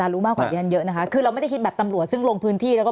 หลักเยอะนะคะเราไม่ได้คิดแบบตำรวจซึ่งลงพื้นที่แล้วก็